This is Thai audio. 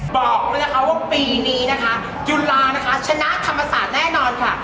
บอกด้วยนะคะว่าปีนี้นะคะจุฬานะคะชนะธรรมศาสตร์แน่นอนค่ะ